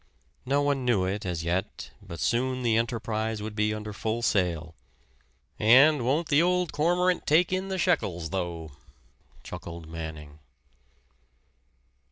No one knew it, as yet; but soon the enterprise would be under full sail "And won't the old cormorant take in the shekels, though!" chuckled Manning.